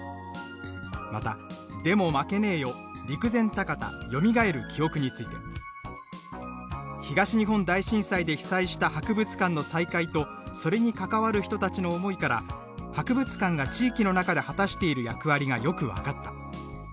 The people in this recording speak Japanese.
また「でも、負けねぇよ陸前高田よみがえる記憶」について「東日本大震災で被災した博物館の再開とそれに関わる人たちの思いから博物館が地域の中で果たしている役割がよく分かった」